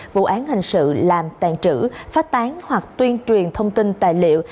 vụ án hình sự làm tàn trữ phát tán hoặc tuyên truyền thông tin tài liệu